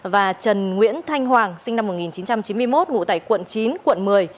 và trần nguyễn thanh hoàng sinh năm một nghìn chín trăm chín mươi một ngụ tại quận chín quận một mươi